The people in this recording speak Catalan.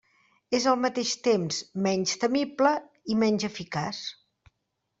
És al mateix temps menys temible i menys eficaç.